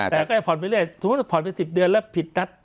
แต่ก็จะผ่อนไปเรื่อยสมมุติผ่อนไป๑๐เดือนแล้วผิดนัด